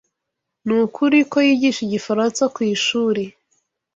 Nukuri ko yigisha igifaransa kwishuri.